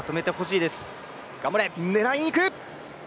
狙いにいく。